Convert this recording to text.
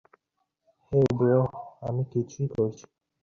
হেই bro, আমি কিছুই করছিনা।